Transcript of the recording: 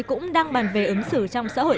cũng đang bàn về ứng xử trong xã hội